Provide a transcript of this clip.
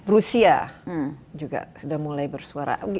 rusia juga sudah mulai bersuara